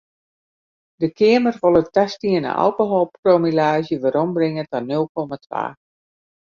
De Keamer wol it tastiene alkoholpromillaazje werombringe ta nul komma twa.